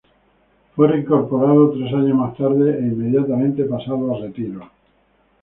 Fue reincorporado tres años más tarde e inmediatamente pasado a retiro.